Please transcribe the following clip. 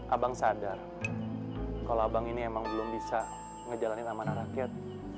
abang sadar kalau abang ini emang belum bisa ngejalanin amanah rakyat